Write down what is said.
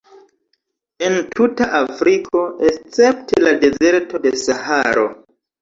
En tuta Afriko, escepte la dezerto de Saharo.